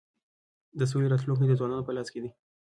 د سولی راتلونکی د ځوانانو په لاس کي دی.